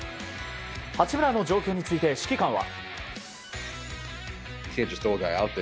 八村の状況について指揮官は。